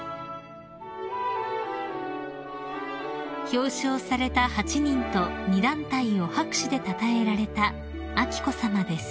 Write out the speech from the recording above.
［表彰された８人と２団体を拍手でたたえられた彬子さまです］